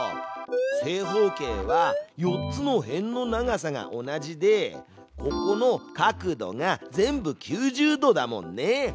正方形は４つの辺の長さが同じでここの角度が全部９０度だもんね！